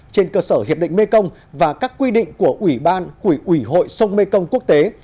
trên cơ sở hiệp định mekong và các quy định của ủy ban quỹ ủy hội sông mekong quốc tế